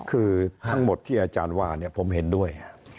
คือทั้งหมดที่อาจารย์ว่าผมเห็นด้วย